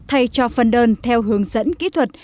thay cho phân đơn theo hướng dẫn kỹ thuật